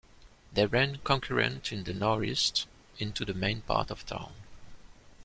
They run concurrent to the northeast, into the main part of town.